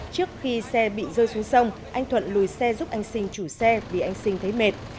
trước khi xe bị rơi xuống sông anh thuận lùi xe giúp anh sinh chủ xe vì anh sinh thấy mệt